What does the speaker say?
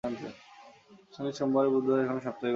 শনিবার, সোমবার ও বুধবার এখানে সাপ্তাহিক বাজার বসে।